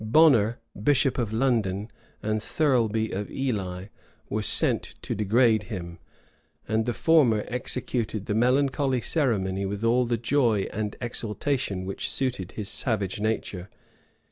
Bonner, bishop of London, and Thirleby of Ely, were sent to degrade him; and the former executed the melancholy ceremony with all the joy and exultation which suited his savage nature.